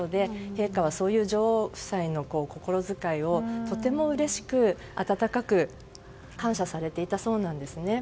陛下はそういう女王夫妻の心遣いを、とてもうれしく温かく感謝されていたそうなんですね。